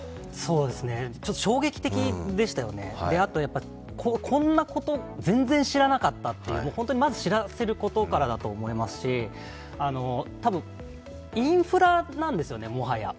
ちょっと衝撃的でしたよね、あとこんなこと全然知らなかったという、本当にまず知らせることからだと思いますし多分インフラなんですよね、もはや。